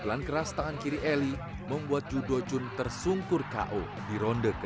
keklan keras tangan kiri eli membuat judo chun tersungkur ko di ronde ke delapan